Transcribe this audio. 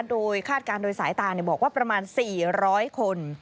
โดยคาดการณ์โดยสายตาบอกว่าประมาณ๔๐๐คน